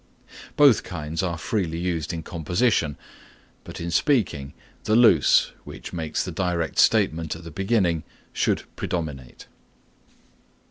Both kinds are freely used in composition, but in speaking, the loose, which makes the direct statement at the beginning, should predominate.